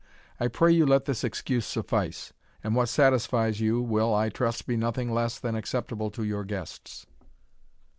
I pray you let this excuse suffice: and what satisfies you, will, I trust, be nothing less than acceptable to your guests."